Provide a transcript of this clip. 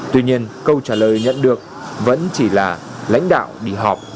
tuy nhiên câu trả lời nhận được vẫn chỉ là lãnh đạo đi họp